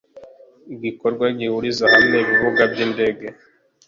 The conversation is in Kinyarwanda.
igikorwa gihuriza hamwe ibibuga by’indege